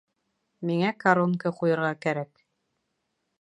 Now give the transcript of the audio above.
Миңә коронка ҡуйырға кәрәк